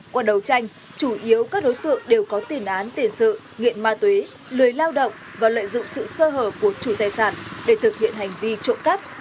qua đấu tranh chủ yếu các đối tượng đều có tiền án tiền sự nghiện ma túy lười lao động và lợi dụng sự sơ hở của chủ tài sản để thực hiện hành vi trộm cắp